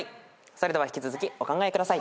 それでは引き続きお考えください。